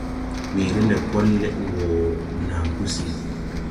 Weere lɛkɔl lɛd wɔ naa gusi.